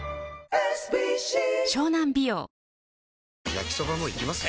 焼きソバもいきます？